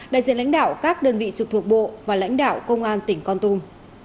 đại diện lãnh đạo các đơn vị trực thuộc bộ và lãnh đạo công an tỉnh con tum